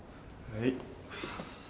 はい。